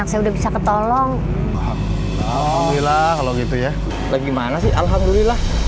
saya udah bisa ketolong oh hilang kalau gitu ya lagi mana sih alhamdulillah